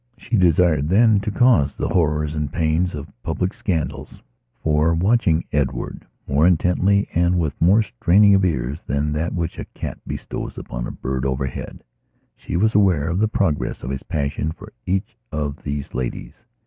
She desired then to cause the horrors and pains of public scandals. For, watching Edward more intently and with more straining of ears than that which a cat bestows upon a bird overhead, she was aware of the progress of his passion for each of these ladies.